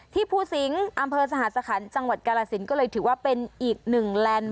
ภูสิงศ์อำเภอสหสคัญจังหวัดกาลสินก็เลยถือว่าเป็นอีกหนึ่งแลนด์